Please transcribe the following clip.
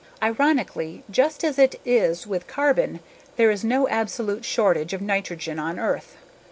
Ironically, just as it is with carbon, there is no absolute shortage of nitrogen on Earth.